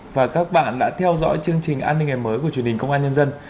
và các bạn đã theo dõi chương trình an ninh ngày mới của truyền hình công an nhân dân